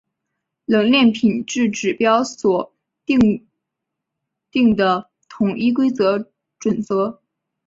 冷链品质指标所订定的统一规范准则。